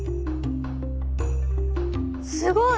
すごい！